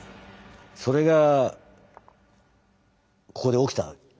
それがここで起きた。